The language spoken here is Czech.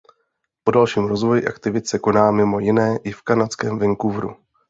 Po dalším rozvoji aktivit se koná mimo jiné i v kanadském Vancouveru.